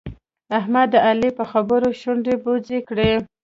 احمد د علي په خبرو شونډې بوڅې کړې.